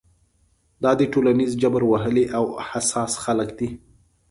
دا د ټولنیز جبر وهلي او حساس خلک دي.